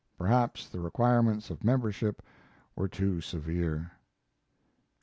Perhaps the requirements of membership were too severe.